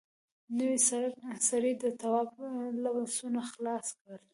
نوي سړي د تواب لاسونه خلاص کړل.